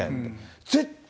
絶対、